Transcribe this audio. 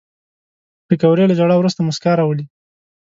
پکورې له ژړا وروسته موسکا راولي